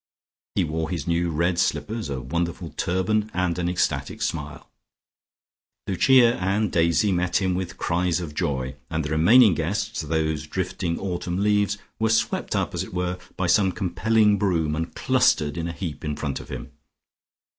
He wore his new red slippers, a wonderful turban and an ecstatic smile. Lucia and Daisy met him with cries of joy, and the remaining guests, those drifting autumn leaves, were swept up, as it were, by some compelling broom and clustered in a heap in front of him.